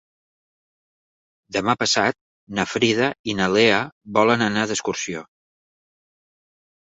Demà passat na Frida i na Lea volen anar d'excursió.